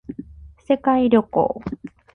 世界旅行